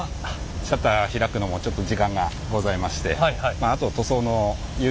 シャッター開くのもちょっと時間がございまして。